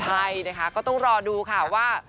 ใช่นะคะก็ต้องรอดูค่ะว่า